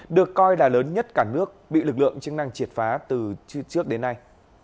được coi là lớn nhất cả nước bị lực lượng chức năng triệt phá từ trước đến nay